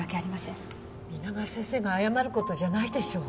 皆川先生が謝る事じゃないでしょ。